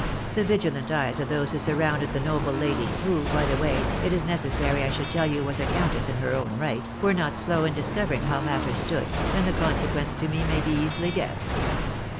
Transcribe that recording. The vigilant eyes of those who surrounded the noble lady, who, by the way, it is necessary I should tell you was a countess in her own right, were not slow in discovering how matters stood, and the consequence to me may be easily guessed.